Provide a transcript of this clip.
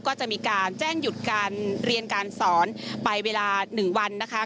ก็จะมีการแจ้งหยุดการเรียนการสอนไปเวลา๑วันนะคะ